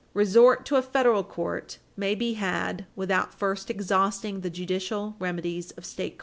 C. § 41(1), resort to a federal court may be had without first exhausting the judicial remedies of state courts.